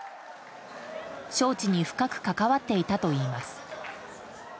招致に深く関わっていたといいます。